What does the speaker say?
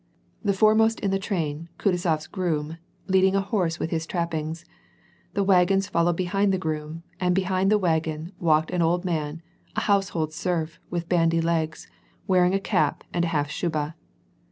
The foremost in the train, Kutuzof's groom, leading a horse with his trappings. The wagons followed behind the groom, and behind the wagon walked an old jnan, a household serf with bandy legs, wearing a cap and a half shuba.